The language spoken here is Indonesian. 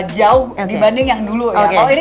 jauh dibanding yang dulu